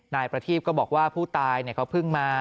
นายประทีพก็บอกว่าผู้ตายเขาเพิ่งมา